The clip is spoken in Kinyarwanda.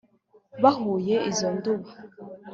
bahuye izo nduba.